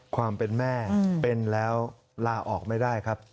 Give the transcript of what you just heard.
ความเป็นแม่เป็นแล้วลาออกไม่ได้ครับ